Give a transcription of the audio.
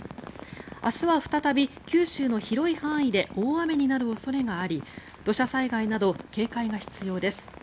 明日は再び九州の広い範囲で大雨になる恐れがあり土砂災害など警戒が必要です。